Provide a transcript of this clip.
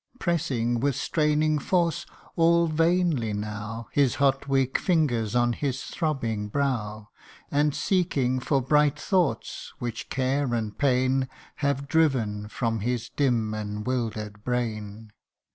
89 Pressing with straining force, all vainly now, His hot, weak fingers on his throbbing ]brow ; And seeking for bright thoughts, which care and pain Have driven from his dim and ' wilder 'd brain.